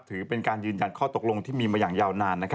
ถือเป็นการยืนยันข้อตกลงที่มีมาอย่างยาวนาน